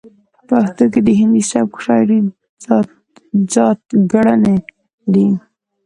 په پښتو کې د هندي سبک شاعرۍ ځاتګړنې دي.